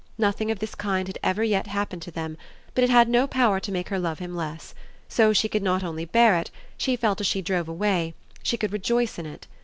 Nothing of this kind had ever yet happened to them, but it had no power to make her love him less; so she could not only bear it, she felt as she drove away she could rejoice in it.